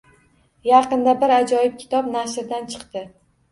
Yaqinda bir ajoyib kitob nashrdan chiqdi